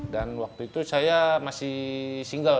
waktu itu saya masih single